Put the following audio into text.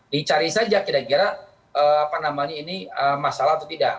dicari saja kira kira masalah atau tidak